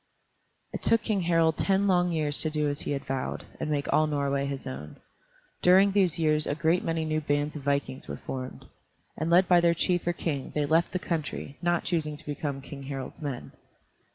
It took King Harald ten long years to do as he had vowed, and make all Norway his own. During these years a great many new bands of vikings were formed, and led by their chief or king they left the country, not choosing to become King Harald's men.